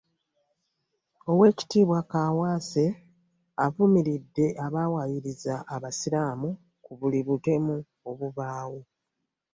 Oweekitiibwa Kaawaase avumiridde abawaayiriza abasiraamu ku buli butemu obubaawo.